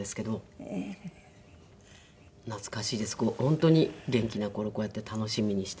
本当に元気な頃こうやって楽しみにして。